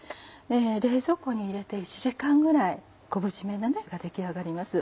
冷蔵庫に入れて１時間ぐらい昆布じめが出来上がります。